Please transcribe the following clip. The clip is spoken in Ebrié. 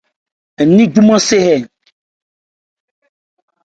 Ń ni júmán se hɛ.